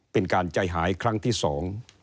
เป็นการใจหายครั้งที่สอง